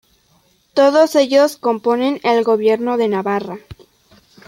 Todos ellos componen el Gobierno de Navarra.